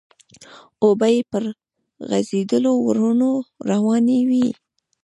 اوبه يې پر غزيدلو ورنو روانې وې.